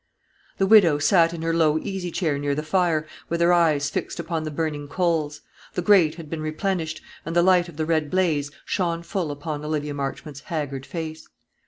The widow sat in her low easy chair near the fire, with her eyes fixed upon the burning coals; the grate had been replenished, and the light of the red blaze shone full upon Olivia Marchmont's haggard face.